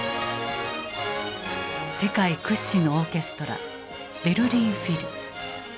世界屈指のオーケストラベルリン・フィル。